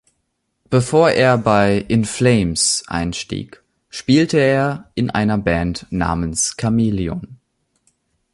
Bevor er bei In Flames einstieg, spielte er in einer Band namens "Chameleon".